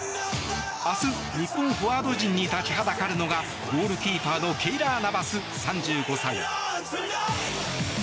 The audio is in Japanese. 明日、日本フォワード陣に立ちはだかるのがゴールキーパーケイラー・ナバス、３５歳。